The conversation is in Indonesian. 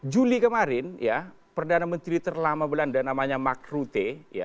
juli kemarin ya perdana menteri terlama belanda namanya magrute